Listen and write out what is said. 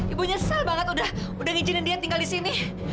ibu nyesel banget udah ngijinin dia tinggal di sini